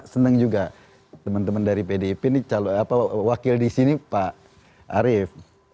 senang juga teman teman dari pdip ini wakil di sini pak arief